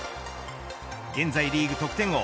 現在、リーグ得点王。